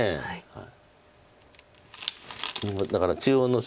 はい。